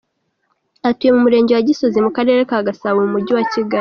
Atuye mu Murenge wa Gisozi mu Karere ka Gasabo mu mujyi wa Kigali.